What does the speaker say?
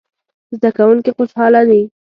زده کوونکي خوشحاله دي